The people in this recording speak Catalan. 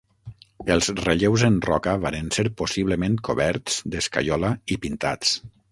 Els relleus en roca varen ser possiblement coberts d'escaiola i pintats.